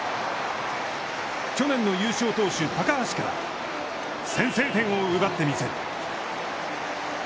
去年の優勝投手、高橋から、先制点を奪ってみせる。